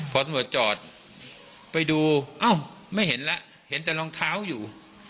พอตำรวจจอดไปดูเอ้าไม่เห็นแล้วเห็นแต่รองเท้าอยู่